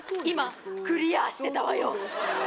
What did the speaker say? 今クリアしてたわよ